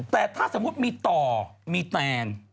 แต่ถ้าสมมุติมีต่อมีแตน